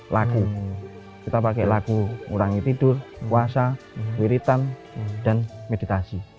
laku kita pakai lagu mengurangi tidur puasa wiritan dan meditasi